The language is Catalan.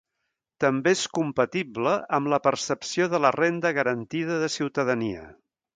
També és compatible amb la percepció de la renda garantida de ciutadania.